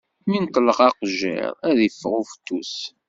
Mi neṭleɣ aqejjir, ad d-iffeɣ ufettus.